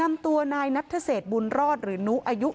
โชว์บ้านในพื้นที่เขารู้สึกยังไงกับเรื่องที่เกิดขึ้น